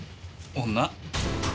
女？